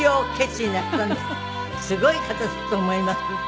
すごい方だと思います。